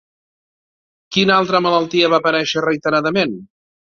Quin altra malaltia va aparèixer reiteradament?